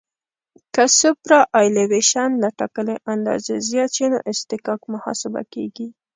که سوپرایلیویشن له ټاکلې اندازې زیات شي نو اصطکاک محاسبه کیږي